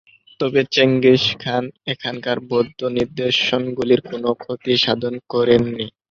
তবে Genghis Khan এখানকার বৌদ্ধ নিদর্শনগুলির কোনও ক্ষতিসাধন করেননি।